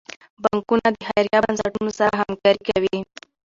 بانکونه د خیریه بنسټونو سره همکاري کوي.